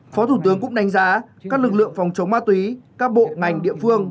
phó thủ tướng cũng đánh giá các lực lượng phòng chống ma túy các bộ ngành địa phương